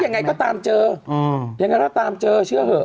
ยังไงก็ตามเจอยังไงก็ตามเจอเชื่อเหอะ